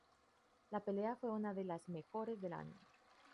La pelea fue una de las mejores del año.